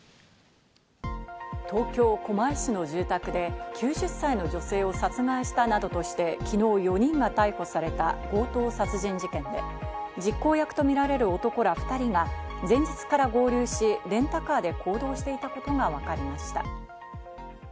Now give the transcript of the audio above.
東京・狛江市の住宅で９０歳の女性を殺害したなどとして昨日、４人が逮捕された強盗殺人事件で、実行役とみられる男ら２人が前日から合流し、レンタカーで行動していたことがわかりました。